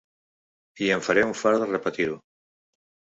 I em faré un fart de repetir-ho.